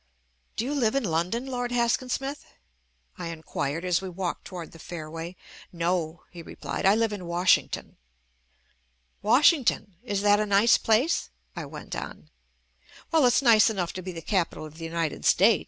"Do you live in London, Lord Haskin Smith?" I inquired as we walked toward the fairway. "No," he replied, "I live in Washington." "Washington! Is that a nice plaice?" I went on. "Well, it's nice enough to be the capital JUST ME of the United States.